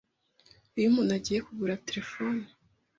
iyo umuntu agiye kugura telefone,